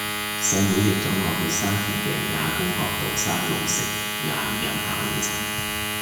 細妹約左我去沙田嘅亞公角山路食晏飲下午茶